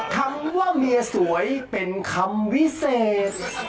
คำว่าเมียสวยเป็นคำวิเศษ